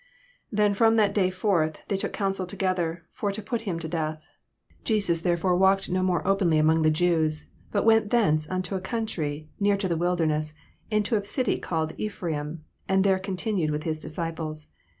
63 Then firom that day forth they took counsel together for to put him to death. 64 Jesus therefore walked no more openly among the Jews; but went thence unto a country near to the wil derness, into a city called Ephraim, and there continued with his disciples.